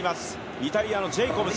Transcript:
イタリアのジェイコブス。